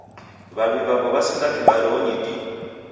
W'avi naw'o w'iasinda kibaruonyi dii.